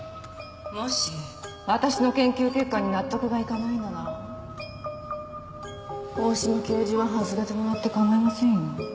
もし私の研究結果に納得がいかないなら大島教授は外れてもらって構いませんよ。